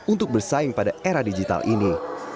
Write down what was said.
untuk bersaing pada era digital ini